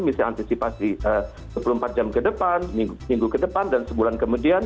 misalnya antisipasi dua puluh empat jam ke depan minggu ke depan dan sebulan kemudian